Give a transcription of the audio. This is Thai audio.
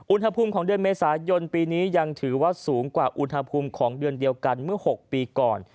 อุณหภูมิของเดือนเมษายนปีนี้ยังถือว่าสูงกว่าอุณหภูมิของเดือนเดียวกันเมื่อ๖ปีก่อน